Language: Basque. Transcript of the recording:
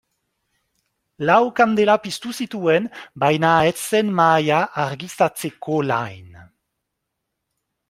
Lau kandela piztu zituen baina ez zen mahaia argiztatzeko lain.